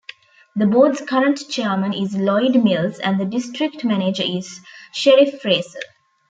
The Board's current Chairman is Lloyd Mills, and the District Manager is Sherif Fraser.